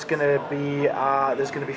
saya akan menulis empat lagu lagi di album